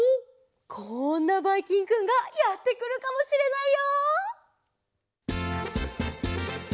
こんなばいきんくんがやってくるかもしれないよ。